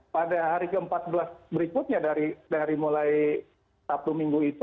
pada hari ke empat belas berikutnya dari mulai sabtu minggu itu